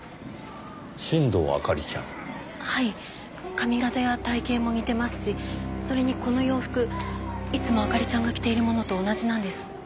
髪形や体形も似てますしそれにこの洋服いつも明里ちゃんが着ているものと同じなんです。